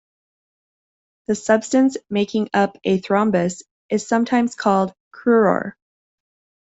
The substance making up a thrombus is sometimes called cruor.